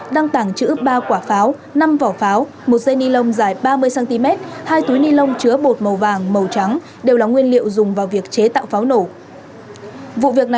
đang tảng chữ ba quả pháo năm vỏ pháo một dây nilon dài ba mươi cm hai túi nilon chứa bột màu vàng màu trắng đều là nguyên liệu dùng vào việc chế tạo pháo nổ